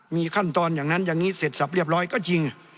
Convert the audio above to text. มีขั้นตอนอย่างนั้นอย่างนี้เสร็จสับเรียบร้อยก็จริง